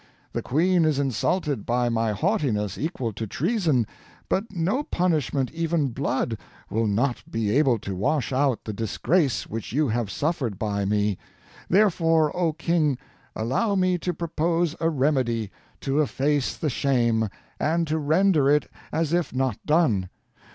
The Queen is insulted by my haughtiness equal to treason, but no punishment even blood, will not be able to wash out the disgrace, which you have suffered by me. Therefore oh King! allow me to propose a remedy, to efface the shame, and to render it as if not done.